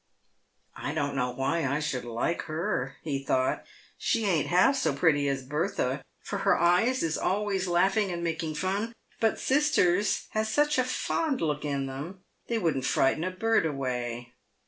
"I don't know why I should like her," he thought. " She ain't half so pretty as Bertha, for her eyes is always laughing and making fun, but sister's has such a fond look in them, they wouldn't frighten a bird away.